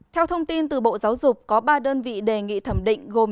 theo thông tin từ bộ giáo dục có ba đơn vị đề nghị thẩm định gồm